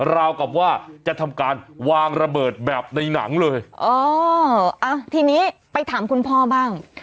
ราวกับว่าจะทำการวางระเบิดแบบในหนังเลยอ๋ออ่ะทีนี้ไปถามคุณพ่อบ้าง